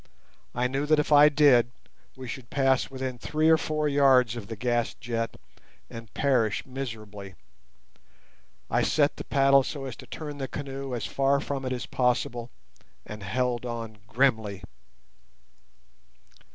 I knew that if I did we should pass within three or four yards of the gas jet and perish miserably. I set the paddle so as to turn the canoe as far from it as possible, and held on grimly.